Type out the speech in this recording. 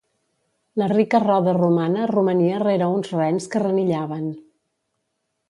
La rica roda romana romania rere uns rens que renillaven.